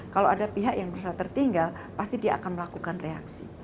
kalau ada pihak yang merasa tertinggal pasti dia akan melakukan reaksi